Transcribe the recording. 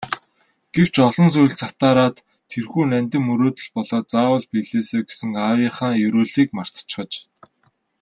Гэвч олон зүйлд сатаараад тэрхүү нандин мөрөөдөл болоод заавал биелээсэй гэсэн аавынхаа ерөөлийг мартчихаж.